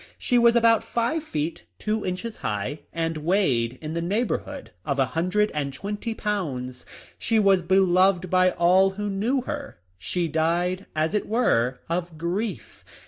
She was about five feet two inches high, and weighed in the neighbor hood of a hundred and twenty pounds. She was beloved by all who knew her. She died as it were of grief.